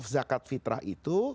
zakat fitrah itu